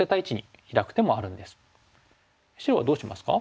白はどうしますか？